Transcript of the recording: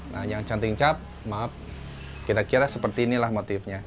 nah yang canting cap maaf kira kira seperti inilah motifnya